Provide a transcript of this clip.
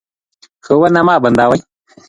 ښوونه مه بندوئ.